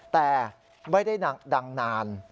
แต่ไม่ได้ดังนาน